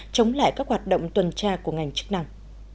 chống lại các hoạt động tuần tra của ngành chức năng